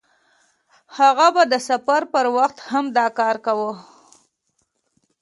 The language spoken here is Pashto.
هغه به د سفر په وخت هم دا کار کاوه.